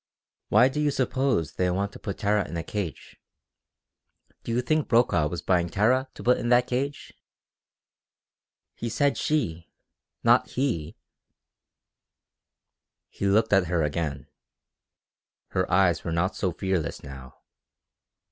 Why do you suppose they want to put Tara in a cage? Do you think Brokaw was buying Tara to put into that cage? He said 'she,' not 'he'." He looked at her again. Her eyes were not so fearless now.